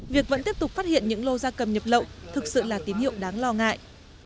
việc vẫn tiếp tục phát hiện những lô da cầm nhập lậu thực sự là tín hiệu đáng lo ngại